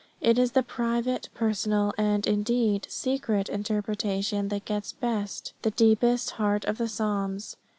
It is the private, personal, and, indeed, secret interpretation that gets best at the deepest heart of the psalms.